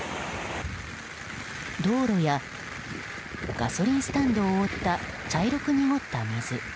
道路やガソリンスタンドを覆った茶色く濁った水。